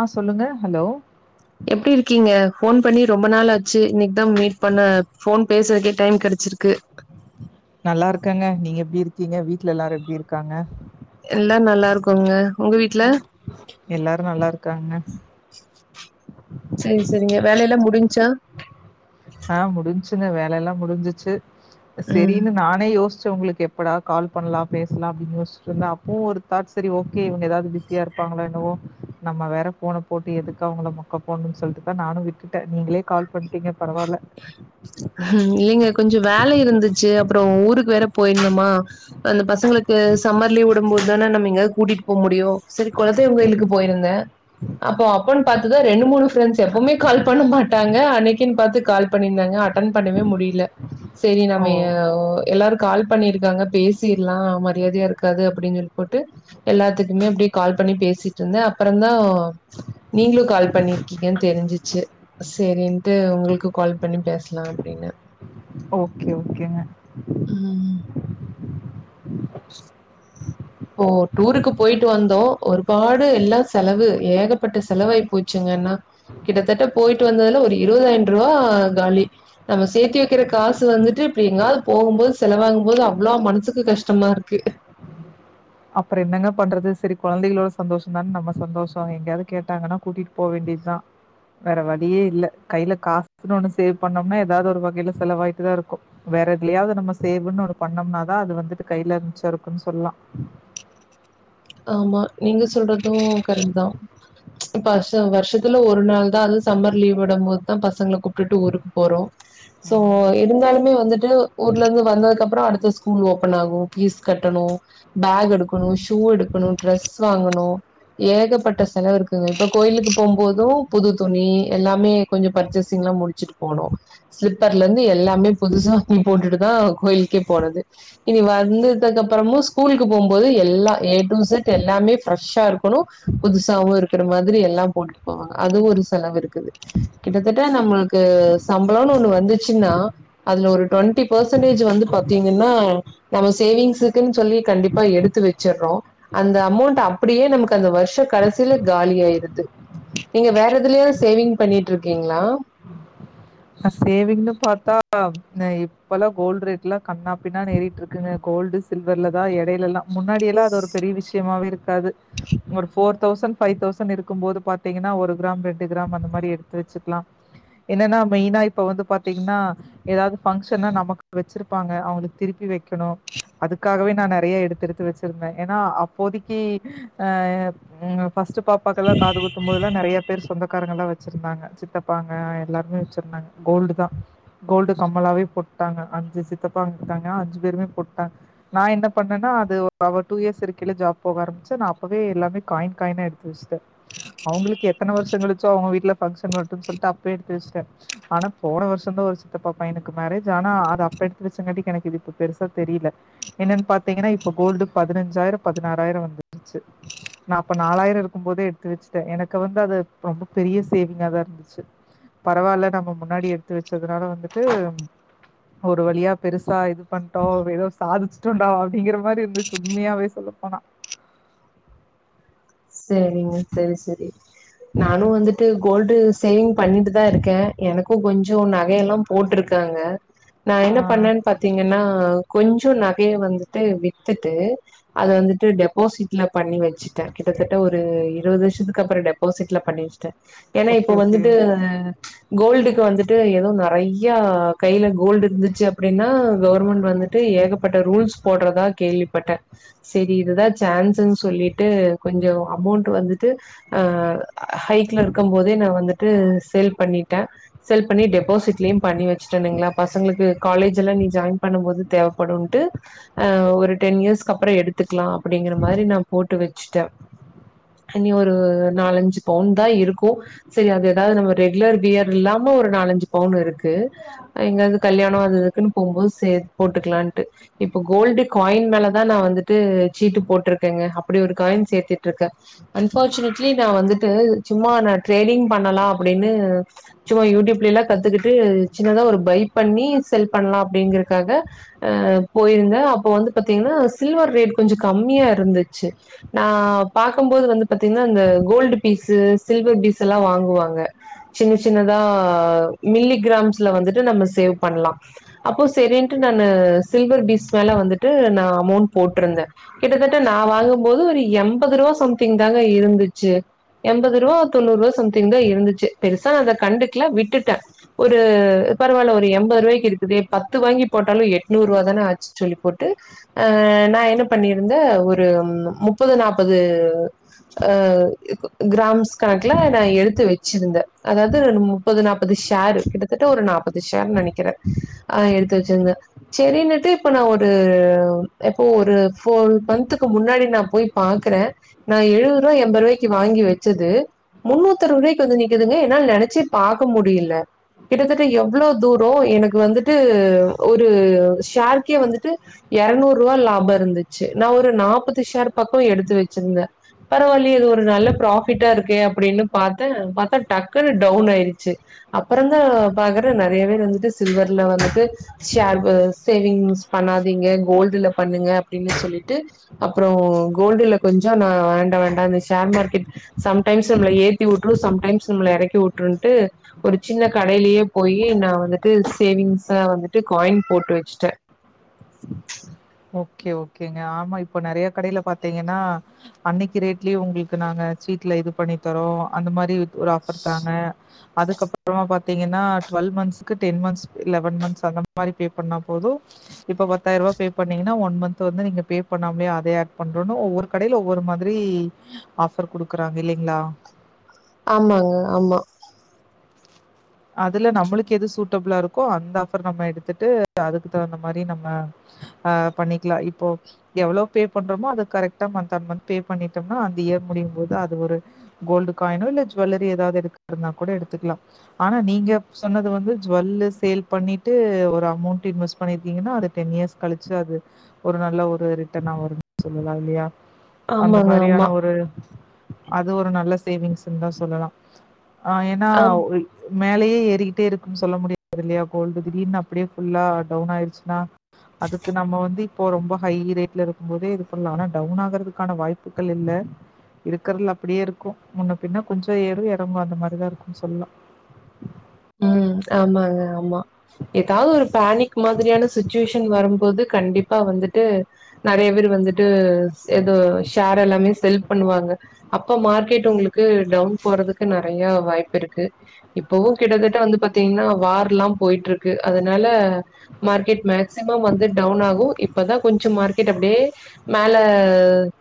ஆ சொல்லுங்க ஹலோ எப்படி இருக்கீங்க ஃபோன் பண்ணி ரொம்ப நாாளாச்சு இன்னைக்கு தா மீட் பண்ண ஃபோன் பேசுறக்கே டைம் கெடச்சிருக்கு நல்லா இருக்காங்க நீங்க எப்பிடி இருக்கீங்க வீட்டுல எல்லாரு எப்பிடி இருக் எல்லா நல்லா இருக்கோங்க உங்க வீட்டுல எல்லாரும் நல்லா இருக்காங்க. சேரி சேரிங்க வேலல்லா முடிஞ்சா ஆ முடிஞ்சுங்க வேலல்லா முடிஞ்சிச்சி ம். சேரின்னு நானே யோசிச்சி த்து உங்களுக்கு எப்படா கால் பண்ணலா பேசலாம்னு யோசிச்ட்டு இருந்தேன் அப்போ ஒரு தாட் சேரி ஓகே இவங்க எதாவது பிஸியா இருப்பாங்களா என்னவோ நம்ம வேற போன போட்டு எதுக்கு அவங்கள மொக்க போடணு சொல்லிட்டுதா நானு விட்டுட்டே நீங்களே கால் பண்ணிட்டீங்க பரவால்ல. ம் இல்லைங்க கொஞ்சோ வேல இருந்துச்சி அப்புறோ ஊருக்கு வேற போயிருந்துமா அந்த பசங்களுக்கு சம்மர் லீவ் விடும் போது தான நம்ம எங்காவது கூட்டிட்டுபோ முடியு சரி குலதெய்வோ கோயிலுக்கு போயிருந்தே அப்போ அப்பன்னு பாத்துதா ரெண்டு மூணு ப்ரண்ட்ஸ் எப்பவுமே கால் பண்ண மாட்டாங்க அன்னைக்கு கின் பாத்து கால் பண்ணியிருந்தாங்க அட்டன் பண்ணவே முடியல சரி ஓ. நம்ம யா.. எல்லாரு கால் பண்ணிருக்காங்க பேசிரலா மரியாதையா இருக்காது அப்பிடின்னு சொல்லி போட்டு எல்லாத்துக்குமே அப்பிடியே கால் பண்ணி பேசிட்டு இருந்தே அப்புறதா நீங்களு கால் பண்ணிருக்கீங்கு தெரிஞ்சிச்சு சேரி ட்டு உங்களுக்கு கால் பண்ணி பேசலா அப்பிடின்னு ஓகே ஓகேங்க ம் போ டூருக்கு போயிட்டு வந்தோ ஒருபாடு எல்லா செலவு ஏகப்பட்ட செலவாயி போச்சுங்கன்னா கிட்டத்தட்ட போயிட்டு வந்ததுல ஒரு இருபதாயிர ரூவா காலி நம்ம சேர்த்தி வைக்கிற காசு வந்துட்டு இப்பிடி எங்காவது போகும்போது செலவாங்கு போது அவ்ளோ மனசுக்கு கஷ்டமா இருக்கு அப்புறோ என்னங்க பண்றது சரி கொழந்தைகளோட சந்தோஷதான நம்ம சந்தோஷோ எங்கேயாவது கேட்டாங்கன்னா கூட்டிட்டு போ வேண்டியதுதா வேற வழியே இல்ல கையில காசுன்னு ஒண்ணு சேவ் பண்ணோம்னா ஏதாவது ஒரு வகையில செலவாயிட்டுதா இருக்கு வேற இதுலயாவது நம்ம சேவ்ன்னு ஒண்ணு பண்ணோம்னாதா அது வந்துட்டு கையில மிச்ச இருக்குன்னு சொல்லலா ஆமா நீங்க சொல்றது கரெக்ட் தா பா த்து வருஷத்துல ஒரு நாள்தா அது சம்மர் லீவ் விடபோதுதா பசங்கள கூப்டுட்டு ஊருக்கு போறோ சோ இருந்தாலுமே வந்துட்டு ஊர்ல இந்து வந்ததுக்கப்புறோ அடுத்த ஸ்கூல் ஓப்பன் ஆகு, பீஸ் கட்டணு, பேக் எடுக்கணு, ஷூ எடுக் க்குனு ட்ரெஸ் வாங்கணு ஏகப்பட்ட செலவு இருக்குங்க இப்ப கோயிலுக்கு போம் போது புது துணி எல்லாமே கொஞ்சோ பர்ச்சேசிங்ல்லா முடிச்சுட்டு போனு ஸ்லிப்பர்லருந்து எல்லாமே புதுசா துணி போட்டுட்டுதா கோயிலுக்கே போறது இனி வந்ததுக்கு அப்புறமு ஸ்கூலுக்கு போம்போது எல்லா எ நம்ம செட் எல்லாமே ஃப்ரஷ்ஷா இருக்கணு புதுசாவு இருக்குற மாதிரி எல்லா போட்டுட் போவாங்க அது ஒரு செலவு இருக்குது கிட்டத்தட்ட நம்மளுக்கு சம்பளொன்னு ஒன்னு வந்துச்சுன்னா அதுல ஒரு ட்வெண்டி பெர்சன்டஜ் வந்து பாத்தீங்கன்னா நம்ம சேவிங்ஸுக்குன் சொல்லி கண்டிப்பா எடுத்து வச்சர்றோ அந்த அமௌண்ட் அப்புடியே நமக்கு அந்த வருஷ கடைசில காலி ஆயிருது நீங்க வேற எதுலயா சேவிங் பண்ணிட்ருக்கீங்களா? ந சேவிங்னு பாத்தா ந இப்பல்லா கோல்டு் ரேட்லா கன்னாப்பின்னானு ஏறிட்ருக்குங்க கோல்டு சில்வர்லதா எடைலலா முன்னாடியெல்லா அது ஒரு பெரிய விஷ்யமாவே இரு க்காது ஒரு ஃபோர் தௌசண்ட் ஃபை தௌசண்ட் இருக்கும் போது பாத்தீங்கனா ஒரு கிராம் ரெண்டு கிராம் அந்த மாரி எடுத்து வச்சுக்லா என்னனா மெயினா இப்ப வந்து பாத்திங்னா எதாவ்து ஃபங்ஷன்னா நமக்கு வச்சிருப்பாங்க அவுங்களுக்கு திருப்பி வக்கணு அதுக்காகவே நா நெறைய எடுத்தெடுத்து வச்சிருந்தே ஏனா அப்போதிக்கு ஆ ஃபர்ஸ்ட்டு பாப்பாக்கல்லா காது குத்தும்போதுலா நெறய பேர் சொந்த காரங்களா வச்சிருந்தாங்க சித்தப்பாங்க எல்லாருமே வச்சு ருந்தாங்க கோல்டு தா கோல்டு கம்மலாவே போட்டாங்க அஞ்சு சித்தப்பாங்க இருக்காங்க அஞ்சு பேருமே போட்டாங்க நா என்ன பண்ணன்னா அது ஒரு டூ இயர்ஸ் இருக்கைல ஜாப் போக ஆரம்பிச்ச நா அப்பவே எல்லாமே காயின் காயினா எடுத்து வச்சுட்டே அவுங்களுக்கு எத்தன வருஷொ கழிச்சோ அவுங்க வீட்ல பங்ஷன் வரட்டுன் சொல்ட்டு அப்பயே எடுத்து வச்சுட்டே ஆனா போன வருஷந்தா ஒரு சித்தப்பா பையனுக்கு மேரேஜ் ஆனா அது அப்ப எடுத்து வச்சங்காட்டி எனக்கு இது இப்ப பெருசா தெரியில என்னன் பாத்தீங்கனா இப்ப கோல்டு பதினஞ்சாயிரொ பதினாறாயிரொ வந்துருச்சு நா அப்ப நாலாயிர இருக்கும் போதே எடுத்து வச்சுட்டே எனக்கு வந்து அது ரொம்ப பெரிய சேவிங்கா தா இருந்துச்சு பரவால்ல நம்ம முன்னாடி எடுத்து வச்சதுனால வந்துட்டு ஒரு வழியா பெருசா இது பண்டோ ஒரு எதோ சாதிச்சு ட்டொன்டா அப்டிங்கிற மாரி இருந்துச்சு உண்மையாவே சொல்லப்போனா செரிங்க செரி செரி நானு வந்துட்டு கோல்டு சேவிங் பண்ணிட்டு தா இருக்கே எனக்கு கொஞ்சொ நகையெல்லா போட்ருக்காங்க நா என்ன ஆ பண்ணேன் பாத்தீங்கன்னா கொஞ் சொ நகைய வந்துட்டு வித்துட்டு அத வந்துட்டு டெபாசிட்ல பண்ணி வச்சுட்டே கிட்டத்தட்ட ஒரு இருவது லட்சத்துக் கப்புற டெப்பாசிட்ல பண்ணி வச்சிட்டே எனா இப்ப ஓகே ஓகே வந்துட்டு கோல்டுக்கு வந்துட்டு எதோ நெ றையா கைல கோல்டு இருந்துச்சு அப்டின்னா கவர்மெண்ட் வந்துட்டு ஏகப்பட்ட ரூல்ஸ் போட்றதா கேள்விப்பட்டே சேரி இதுதா சான்ஸுன் சொல்லிட்டு கொஞ்ச அமௌண்ட்டு வந்துட்டு ஆ ஹைக்ல இருக்கும் போதே நா‌ வந்து ட்டு சேல் பண்ணிட்டே சேல் பண்ணி டெபாசிட்லயு பண்ணி வ ச்சுட்டெனுங்ளா பசங்ளுக்கு காலேஜுல்லா இனி ஜாயின் பண்ணும்போது தேவப்படுன்ட்டு் அ ஒரு டென் இயர்ஸ்கப்றொ எடுத்துக்லா அப்பிடிங்கிற மாரி நா போட்டு வச்சுட்டே இனி ஒரு நாலஞ்சு பவுன் தா இருக்கு செரி அது எதாது நம்ம ரெகுலர் வியர் இல்லாம ஒரு நாலஞ்சு பவுன் இருக்கு எங்காது கல்யாணொ அது இதுக்குன்னு போகும்போது சேர் போட்டுக்குலான்ட்டு இப்ப கோல்டு காயின் மேலதா நா வந்துட்டு சீட்டு போட்ருக்கேங்க அப்டி ஒரு காயின் சே த்திட்ருக்கே அன்ஃபார்ச்சுனேட்லி நா வந்துட்டு சும்மா நா ட்ரேடிங் பண்ணலா அப்புடினு சும்மா யூடியூப்லல்லா கத்துக்குட்டு சின்னதா ஒரு பை பண்ணி செல் பண்லா அப்டிங்குறக்காக அ போயிருந்த அப்ப வந்து பாத்தீங்னா சில்வர் ரேட் கொஞ்ச கம்மியா இருந்துச்சு நா பாக்கும் வந்து பாத்தீங்னா இந்த கோல்டு பீஸு சில்வர் பீஸெல்லா வாங்குவாங்க சின்ன சின்னதா மில்லிகிராம்ஸ்ல வந்துட்டு நம்ம சேவ் பண்லா அப்ப சரின்ட்டு நா சில்வர் பீஸ் மேல வந்துட்டு நா அமெண்ட் போட்ருந்தே கிட்டத்தட்ட நா வாங்கும்போது ஒரு எம் பது ருவா சம்திங் தாங்க இருந்துச்சு எம்பது ருவா தொண்ணூறுவா சம்திங் தா இருந்துச்சு பெருசா நா அத கண்டுக்ல விட்டுட்டே ஒரு பரவால்ல ஒரு எம்பது ருவாய்க்கு இருக்குதே பத்து வாங்கி போட்டாலு எட்நூறுவா தான ஆச்சு சொல்லி போட்டு ஆ நா என்ன பண்ணியிருந்தே ஒரு முப்பது நாப் பது ஆ கிராம்ஸ் கணக்குல நா எடுத்து வச்சிருந்தே அதாவ்து முப்பது நாப்பது ஷேரு கிட்டத்தட்ட ஒரு நாப்பது ஷேர் நெனக்கிறே ஆ எடுத்து வச்சிருந்தே செரின்னுட்டு இப்ப நா ஒரு இப்ப ஒரு ஃபோர் மன்த்துக்கு முன்னாடி நா போய் பாக்குறே நா எழுவது ருவா எம்பருவாய்க்கு வாங்கி வச்சது முன்னூத்தறுவருவாய்க்கு வந்து நிக்குதுங்க என்னால நெனச்சே பாக்க முடியல கிட்டத்தட்ட எவ்ளோ தூரொ எனக்கு வந்துட்டு ஒரு ஷேர்கே வந்துட்டு எரநூறுவா லாபொ இருந்துச்சு நா ஒரு நாப்பது ஷேர் பக்கொ எடுத்து வச்சுருந்தே பரவால்லயே இது ஒரு நல்ல ப்ராஃபிட்டா இருக்கே அப்புடின்னு பாத்தா பாத்தா டக்குன்னு டவுன் ஆயிருச்சு அப்பறந்தா பாக்குறே நெறைய பேர் வந்துட்டு சில்வர்ல வந்துட்டு ஷேர் சேவிங்ஸ் பண்ணாதீங்க கோல்டுல பண்ணுங்க அப்டின்னு சொல்லிட்டு அப்றோ கோல்டுல கொஞ்ச நா வேண்ட வேண்டன். அந்த ஷேர் மார்க்கெட் சம்டைம்ஸ் நம்மள ஏத்தி வுட்டுரு சம்டைம்ஸ் நம்மள எறக்கி வுட்டுரு ஒரு சின்ன கடையிலயே போயி நா வந்துட்டு சேவிங்ஸ வந்துட்டு காயின் போட்டு வச்சுட்டே ஓகே ஓகேங்க ஆமா இப்போ நறைய கடைல பாத்தீங்கன்னா அன்னிக்கு ரேட்லயே உங்களுக்கு நாங்க சீட்ல இது பண்ணிதரோ அந்த மாரி ஒரு ஆஃபர் தாங்க அதுக்கப்புறமா பாத்தீங்கன்னா டுவல் மன்ஸ்க்கு டென் மன்ஸ் லவன் மன்ஸ் அந்த மாரி பே பண்ண போது இப்ப பத்தாயிர ரூவா பே பண்ணி இன்னு ஒன் மன்த் வந்து நீங்க பே பண்ணமே அத ஆட் பண்ணுரேனு ஒவ்வொரு கடைல ஒவ்வொரு மாதிரி ஆஃபர் குடுக்குறாங்க இல்லிங்கள ஆமாங்க ஆமா அதுல நம்பளுக்கு எது சூட்டஃபிளா இருக்கோ அந்த ஆஃபர் நம்ம எடுத்துட்டு அதுக்கு தகுந்த மாரி நம்ம ஆ பண்ணிக்கலா இப்போ எவ்ளோ பே பண்றோமோ அது கரெட்டா மன்ந்த் அண்ட் மன்ந்த் பே பண்ணிட்டோனா அந்த இயர் முடியு போது அது ஒரு கோல்டு காயினோ இல்ல ஜுவல்லரி ஏதாவது எடுக்க இருனா கூட எடுத்துக்கலா ஆனா நீங்க சொன்னது வந்து ஜுவெல்லு சேல் பண்ணிட்டு ஒரு அமெண்ட் இன்வெஸ்ட் பண்ணியிருக்கீங்கன்னா அது டென் இயர்ஸ் கழிச்சு அது ஒரு நல்ல ஒரு ரிட்டன்ன வரும்னு சொல்லலா இல்லையா அந்த ஆமாங்க, ஆமா. மாரியான ஒரு அது ஒரு நல்ல சேவிங்ஸ்ன்னு தா சொல்லலா ஆ ஏனா ஆம். ஓ இ மேலேயே ஏறிகிட்டே இருக்குனு சொல்ல முடியாது இல்லையா கோல்டு திடிர்னு அப்டியே ஃபுல்லா டவுன் ஆயிடுச்சுனா அதுக்கு நம்ம வந்து இப்போ ரொம்ப ஹய் ரேட்ல இருக்கு போதே இது பண்ணலா ஆனா டவுன் ஆகுறதுக்கான வாய்ப்புகள் இல்ல இருக்கறதல அப்டியே இருக்கு முன்ன பின்னா கொஞ்ச ஏறு எறங்கு அந்த மாரி தா இருக்கு சொல்லலா ம் ஆமாங்க ஆமா ஏதாவது ஒரு ஃபேனிக் மாதிரியான சுச்சுவேஷன் வரும்போது கண்டிப்பா வந்துட்டு நறைய பேர் வந்துட்டு சேதோ விஷ் கார் எல்லாமே செல் பண்ணுவாங்க அப்போ மார்க்கெட் உங்களுக்கு டவுன் போடறதுக்கு நெறைய வாய்ப்பு இருக்கு இப்பவு கிட்டத்தட்ட வந்து பாத்தீங்கன்னா வார் எல்லா போயிட்டு இருக்கு அதனால மார்க்கெட் மேக்சிமம் வந்து டவுன் ஆகு இப்பதா கொஞ்ச மார்க்கெட் அப்டியே மேல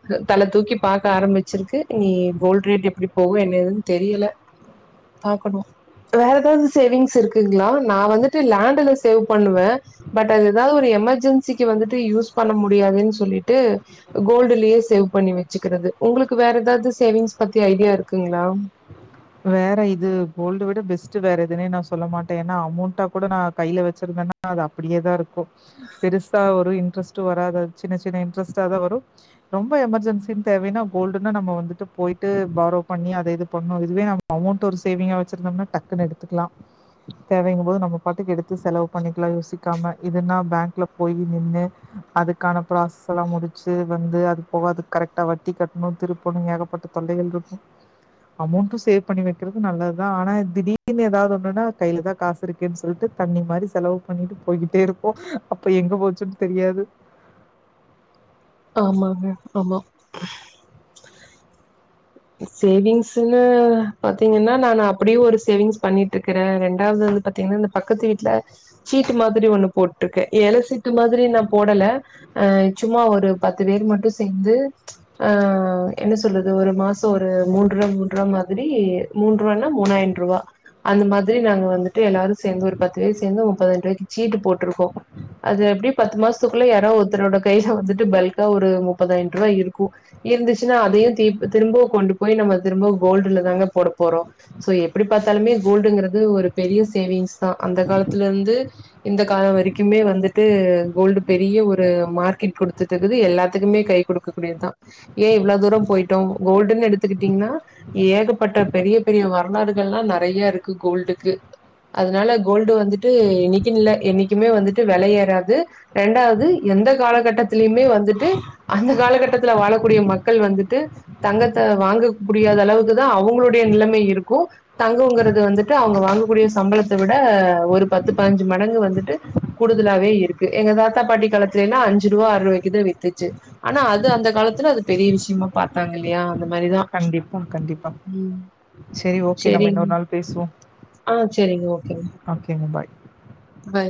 கு தல தூக்கி பாக்க ஆரம்பிச்சிருக்கு இனி கோல்ட ரேட் எப்டி போகு என்ன ஏதுன் தெரில பாக்கணு வேற எதாவது சேவிங்ஸ் இருக்குங்களா நா வந்துட்டு லேண்டல சேவ் பண்ணுவே பட் அது எதாவ ஒரு எமர்ஜென்சிக்கு வந்துட்டு யூஸ் பண்ண முடியாதுன்னு சொல்லிட்டு கோல்டுலயே சேவ் பண்ணி வச்சுக்கிறது உங்களுக்கு வேற எதாவது சேவிங்ஸ் பத்தி ஐடியா இருக்குங்களா வேற இது கோல்டு விட பெஸ்ட்ட் வேற எதுனே நா சொல்ல மாட்டே ஏன்னா அமெண்டா கூட நா கைல வச்சிருந்தேன்னா அது அப்டியேதா இருக்கு பெருசா ஒரு இன்ட்ரெஸ்ட்டு வராது சின்ன சின்ன இன்ட்ரெஸ்ட்டா தா வரு ரொம்ப எமர்ஜென்சின் தேவைனா கோல்டுன்னா நம்ம வந்துட்டு போயிட்டு ஃபாலோ பண்ணி அத வந்து இது பண்ணு அது துவே அமௌண்ட் ஒரு சேவிங்க வச்சிருதோம்ன்ன டக்குனு எடுதுக்கலா தேவைங்க போது நம்ம பாட்டுக்கு எடுத்து செலவு பண்ணிக்கலா யோசிக்காம இதுனா பேங்க்ல போய் நின்னு அதுக்கான ப்ராசஸ் எல்லா முடிச்சு வந்து அது போக அது கரெட்டா வட்டி கட்டணு திருப்பணு ஏகப்பட்ட தொல்லைகள் இருக்கும் அமௌண்ட்டு ஸ் சேவ் பண்ணி வைக்கறது நல்லதுதா ஆனா திடீர்னு ஏதாவது ஒன்னுனா கைலதா காசு இருக்கேனு சொல்ட்டு தண்ணி மாரி செலவு பண்ணிட்டு போயிகிட்டே இருப்போ அப்ப எங்க போச்சின் தெரியாது ஆம்மாங்க ஆமா சேவிங்ஸ்ன்னு பாத்திங்கன்னா நானு அப்டியே ஒரு சேவிங்ஸ் பண்ணிட்டு இருக்கே ரெண்டாவது வந்து பாத்திங்கன்னா இந்த பக்கத்து வீட்ல சீட்டு மாதிரி ஒண்ணு போட்டுருக்கே ஏல சீட்டு மாதிரி நா போடல ஆ சும்மா ஒரு பத்து பேரு மட்டு சேந்து ஆ என்ன சொல்றது ஒரு மாஸ் ஒரு மூன்று மூன்று ரூவா மாதிரி மூன்று ரூவானா மூணாயிர ரூவா அந்த மாரி நாங்க வந்துட்டு எல்லோரு சேந்து ஒரு பத்து பேர் சேந்து ஒரு முப்பதாயிர ரூவாய்க்கு சீட்டு போட்ருக்கோ அது எப்டி பத்து மாசத்துகுள்ள யாராவ ஒருத்தரோட கைல வந்துட்டு பல்க்கா ஒரு முப்பதாயிர ரூவாய் இருக்கு இருந்துச்சினா அதையு திருப்பி திரும்ப கொண்டு போய் நம்ம திரும்ப கோல்டுல தாங்க போட போறோ சோ எப்டி பாத்தாலுமே கோல்டுங்கறது ஒரு பெரிய சேவிங்ஸ் தா அந்த காலத்துலாந்து இந்த கால வரைக்குமே வந்துட்டு கோல்டு பெரிய ஒரு மார்க்கெட் கொடுத்துட்டு இருக்குது எல்லாததுக்குமே கை கொடுக்ககூடியதுதா ஏ இவ்வள தூர போயிட்டோ கோல் ங்கனு எடுத்துகிட்டிங்கன்னா ஏகப்பட்ட பெரிய பெரிய வரலாறுகல்லா நெறைய இருக்கு கோல்டுக்கு அதனால கோல்டு வந்துட்டு இன்னிக்கு இல்ல என்னைக்குமே வந்துட்டு வெல ஏறாது ரெண்டாவது எந்த காலகட்டத்திலுமே வந்துட்டு அந்த காலகட்டத்துல வாழக்கூடிய மக்கள் வந்துட்டு தங்க த்த வாங்க முடியாத அளவுக்கு தா அவுங்களுடைய நெலமை இருக்கு தங்கங்கறது வந்துட்டு அவுங்க வாங்ககூடிய சம்பளத்த விட ஒரு பத்து பாஞ்சு மடங்கு வந்துட்டு கூடுதலாவே இருக்கு எங்க தாத்தா பாட்டி காலத்துலல்லா அஞ்சி ரூவா ஆறு ரூவாய்குதா வித்துச்சு ஆனா அது அந்த காலத்துல அது பெரிய விஷயமா பாத்தாங்க இல்லையா அந்த மாரிதா கண்டிப்பா கண்டிப்பா ம் செரி ஓகே நம்ம செரிங்க இன்னொரு நாள் பேசுவோ ஆ செரிங்க ஓகேங்க ஓகே பாய் பாய்